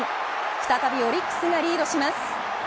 再びオリックスがリードします。